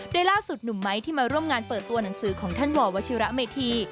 โดยล่าสุดหนุ่มไม้ที่มาร่วมงานเปิดตัวหนังสือของท่านววชิระเมธี